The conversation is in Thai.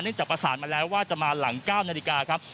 จากประสานมาแล้วว่าจะมาหลัง๙นาฬิกาครับ